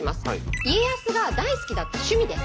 家康が大好きだった趣味です。